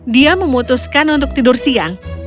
dia memutuskan untuk tidur siang